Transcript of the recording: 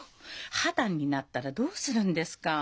破談になったらどうするんですか。